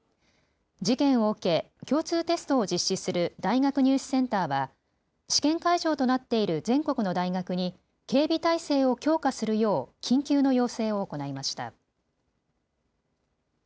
事件を受け共通テストを実施する大学入試センターは試験会場となっている全国の大学に警備体制を強化するよう緊急の要請を行いました。